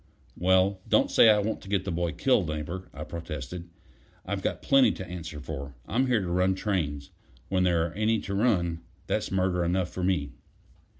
"Well, don't say I want to get the boy killed, Neighbor," I protested. "I've got plenty to answer for. I'm here to run trains when there are any to run; that's murder enough for me.